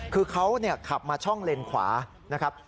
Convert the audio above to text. คือเขาขับมาช่องเลนขวานะครับ